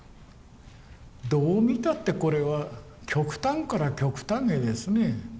どう見たってこれは極端から極端へですね。